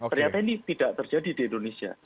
ternyata ini tidak terjadi di indonesia